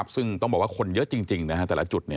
ซึ่งต้องบอกว่าคนเยอะจริงแต่ละจุด